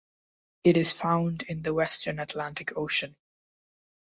It is found in the Western Atlantic Ocean.